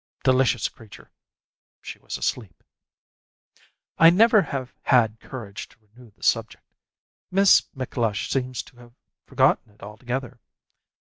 Delicious creature! she was asleep! I never have had courage to renew the subject. Miss McLush seems to have forgotten it altogether.